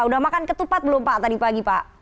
udah makan ketupat belum pak tadi pagi pak